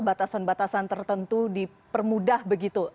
batasan batasan tertentu dipermudah begitu